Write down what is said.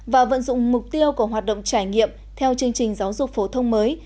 và vận dụng mục tiêu của hoạt động trải nghiệm theo chương trình giáo dục phổ thông mới